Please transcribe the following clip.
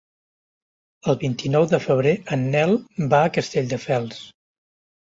El vint-i-nou de febrer en Nel va a Castelldefels.